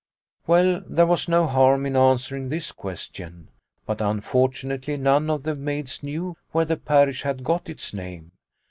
Well, there was no harm in answering this question, but, unfortunately, none of the maids knew where the parish had got its name.